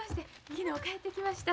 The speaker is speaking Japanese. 昨日帰ってきました。